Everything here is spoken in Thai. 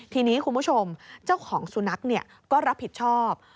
ทีนี้คุณผู้ชมเจ้าของสุนัขก็รับผิดชอบ